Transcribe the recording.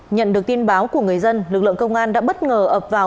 nhận được tin báo của người dân lực lượng công an đã bất ngờ ập vào